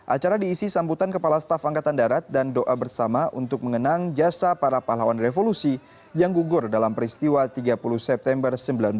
acara diisi sambutan kepala staf angkatan darat dan doa bersama untuk mengenang jasa para pahlawan revolusi yang gugur dalam peristiwa tiga puluh september seribu sembilan ratus empat puluh